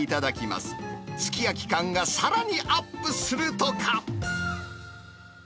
すき焼き感がさらにアップするとか。